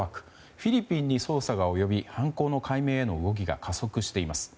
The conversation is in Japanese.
フィリピンに捜査が及び犯行の解明への動きが加速しています。